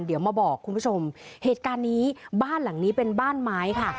เดี๋ยวมาบอกคุณผู้ชมเหตุการณ์นี้บ้านหลังนี้เป็นบ้านไม้ค่ะ